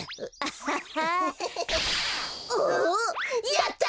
やった！